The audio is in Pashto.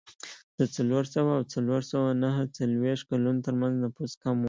د څلور سوه او څلور سوه نهه څلوېښت کلونو ترمنځ نفوس کم و.